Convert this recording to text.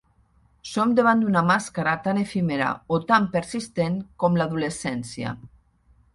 Som davant d'una màscara tan efímera o tan persistent com l'adolescència.